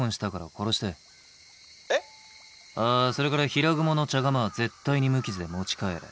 あそれから平蜘蛛の茶釜は絶対に無傷で持ち帰れ。